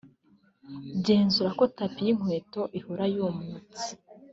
Genzura ko tapis y’inkweto ihora yumutse